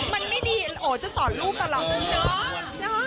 มันไม่ดีอ๋อจะสอนรูปตลอดเลยเนาะ